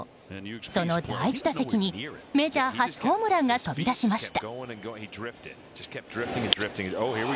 その第１打席にメジャー初ホームランが飛び出しました。